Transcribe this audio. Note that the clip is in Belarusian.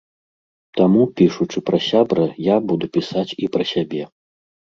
Таму, пішучы пра сябра, я буду пісаць і пра сябе.